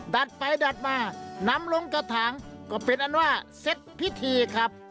ดัดไปดัดมานำลงกระถางก็เป็นอันว่าเสร็จพิธีครับ